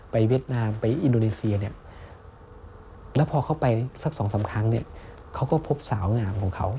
ไปเวียดนามไปอินโดเนสเซียเขาก็พบสาวหงามของเขา